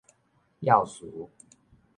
要詞